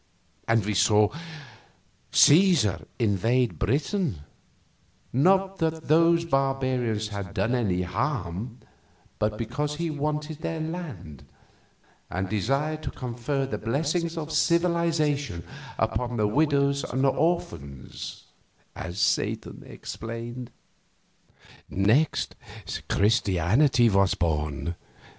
Also we saw Cæsar invade Britain "not that those barbarians had done him any harm, but because he wanted their land, and desired to confer the blessings of civilization upon their widows and orphans," as Satan explained. Next, Christianity was born.